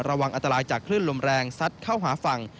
ระวังอันตรายจากคลื่นลมแรงซัดเข้าหาฝั่ง